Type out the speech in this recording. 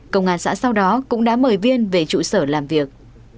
công an xã sau đó cũng đã mời viên về trụ sở làm việc